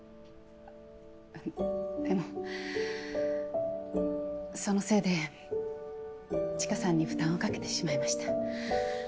でもそのせいで知花さんに負担をかけてしまいました。